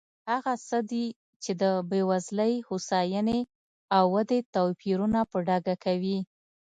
هغه څه دي چې د بېوزلۍ، هوساینې او ودې توپیرونه په ډاګه کوي.